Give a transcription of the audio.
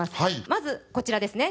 まずこちらですね